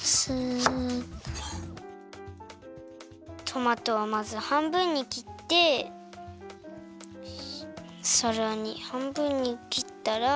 トマトはまずはんぶんにきってさらにはんぶんにきったら。